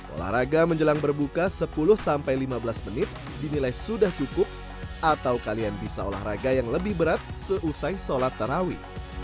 olahraga menjelang berbuka sepuluh sampai lima belas menit dinilai sudah cukup atau kalian bisa olahraga yang lebih berat seusai sholat tarawih